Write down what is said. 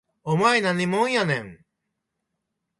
お前何もんやねん